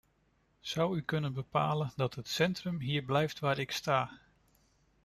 Zou u kunnen bepalen dat het centrum hier blijft waar ik sta?